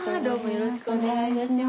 よろしくお願いします。